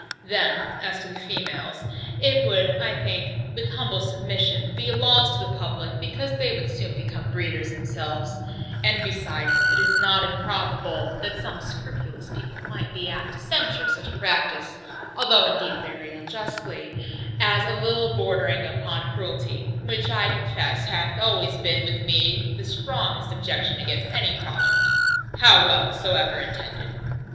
Then as to the females, it would, I think, with humble submission, be a loss to the publick, because they soon would become breeders themselves: and besides, it is not improbable that some scrupulous people might be apt to censure such a practice, (although indeed very unjustly) as a little bordering upon cruelty, which, I confess, hath always been with me the strongest objection against any project, how well soever intended.